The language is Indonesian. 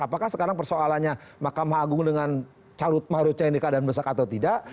apakah sekarang persoalannya makam agung dengan calut maruca yang dikeadaan mendesak atau tidak